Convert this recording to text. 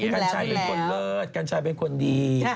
กัญชัยเป็นคนเลิศกัญชัยเป็นคนดี